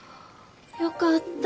よかった。